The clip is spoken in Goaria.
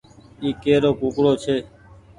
اي ڪي رو ڪوڪڙو ڇي۔